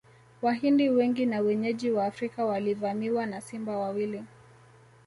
Wahindi wengi na wenyeji Waafrika walivamiwa na simba wawili